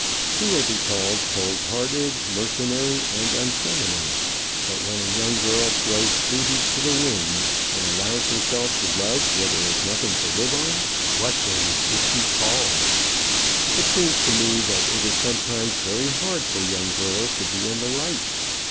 She will be called cold hearted, mercenary, and unfeminine. But when a young girl throws prudence to the winds, and allows herself to love where there is nothing to live on, what then is she called? It seems to me that it is sometimes very hard for young girls to be in the right.